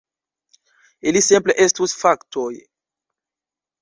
Ili simple estus faktoj.